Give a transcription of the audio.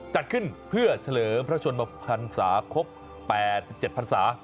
จัดขึ้นเพื่อเฉลิมพระชนมพันศาครบ๘๗พันศา